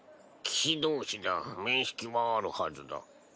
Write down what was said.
騎士同士だ面識はあるはずだ。